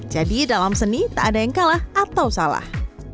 jadi dalam seni tak ada yang kalah atau salah